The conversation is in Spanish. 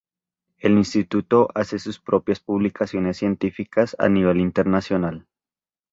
El Instituto hace sus propias publicaciones científicas a nivel internacional.